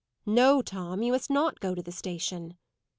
"No, Tom. You must not go to the station."